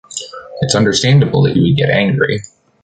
It’s understandable that you would get angry.